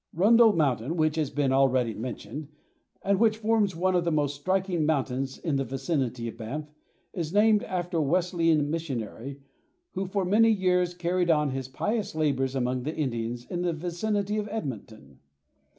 Rundle Mountain, which has been already mentioned and which forms one of the most striking mountains in the vicinity of Banff, is named after a Wesleyan missionary who for many years carried on his pious labors among the Indians in the vicinity of Edmonton.